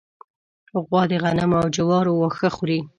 غوا د غنمو او جوارو واښه خوري.